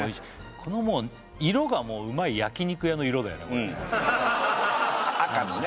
このもう色がもううまい焼肉屋の色だよね